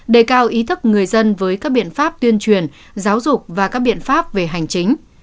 đề cao ý thức người dân với các biện pháp tuyên truyền giáo dục và các biện pháp về hành chính